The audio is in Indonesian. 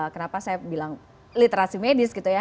kenapa saya bilang literasi medis gitu ya